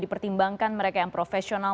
dipertimbangkan mereka yang profesional